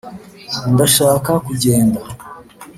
ndashaka kugenda